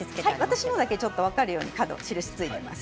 私のだけ分かるように印をつけています。